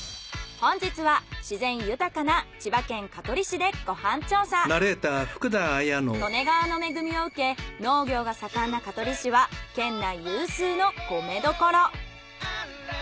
本日は自然豊かな利根川の恵みを受け農業が盛んな香取市は県内有数の米どころ。